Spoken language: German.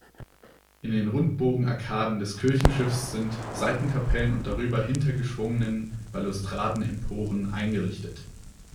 In den Rundbogenarkaden des Kirchenschiffs sind Seitenkapellen und darüber hinter geschwungenen Balustraden Emporen eingerichtet.